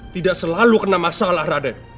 tidak selalu kena masalah raden